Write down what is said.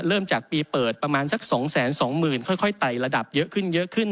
เริ่มจากปีเปิดประมาณสัก๒๒๐๐๐ค่อยไต่ระดับเยอะขึ้นเยอะขึ้น